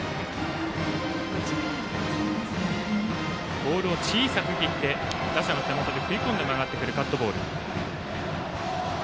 ボールを小さく切って打者の手元に食い込んで曲がってくるカットボール。